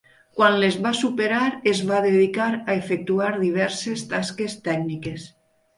Quan les va superar, es va dedicar a efectuar diverses tasques tècniques.